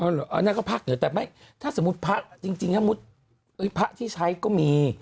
อ๋อหรออันนั้นก็พักเหนือแต่ไม่ถ้าสมมติพักจริงถ้าสมมติพักที่ใช้ก็มี